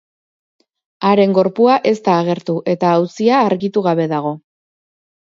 Haren gorpua ez da agertu, eta auzia argitu gabe dago.